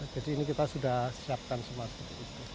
jadi ini kita sudah siapkan sudah